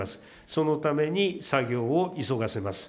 そのために作業を急がせます。